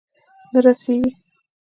نه رسیږې